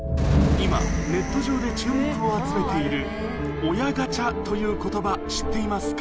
今、ネット上で注目を集めている、親ガチャということば、知っていますか？